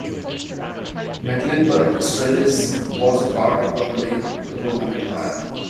Mecklenburg-Strelitz was a part of the Holy Roman Empire.